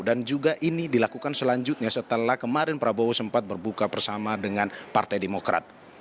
dan juga ini dilakukan selanjutnya setelah kemarin prabowo sempat berbuka bersama dengan partai demokrat